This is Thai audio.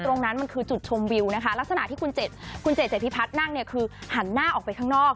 ตรงนั้นมันคือจุดชมวิวนะคะลักษณะที่คุณเจดเจพิพัฒน์นั่งเนี่ยคือหันหน้าออกไปข้างนอก